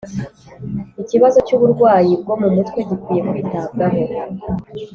ikibazo cy uburwayi bwo mu mutwe gikwiye kwitabwaho